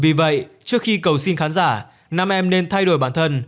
vì vậy trước khi cầu xin khán giả nam em nên thay đổi bản thân